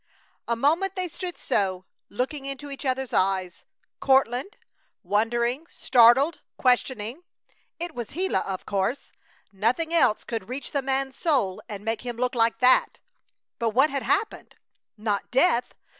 A moment they stood so, looking into each other's eyes, Courtland, wondering, startled, questioning. It was Gila, of course! Nothing else could reach the man's soul and make him look like that! But what had happened? Not death!